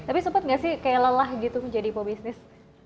tapi sempat nggak sih kayak lelah gitu menjadi pebisnis